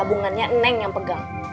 tabungannya neng yang pegang